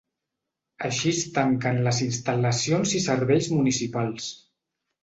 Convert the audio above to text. Així es tanquen les instal·lacions i serveis municipals.